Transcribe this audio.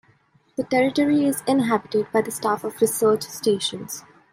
The territory is inhabited by the staff of research stations.